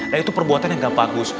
dan itu perbuatan yang enggak bagus